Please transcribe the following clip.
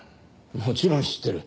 もちろん知ってる。